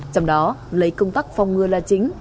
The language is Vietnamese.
trong đó lấy công tác phòng ngừa là chính